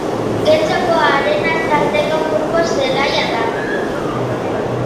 Getxoko Arenas taldeko futbol zelaia da.